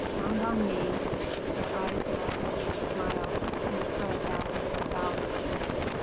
"Count on me!" Their eyes met in a gay smile, and Fred bowed himself out.